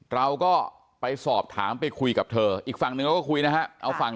เราก็ไปสอบถามไปคุยกับเธออีกฝั่งหนึ่งเราก็คุยนะฮะเอาฝั่ง